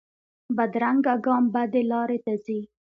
بدرنګه ګام بدې لارې ته ځي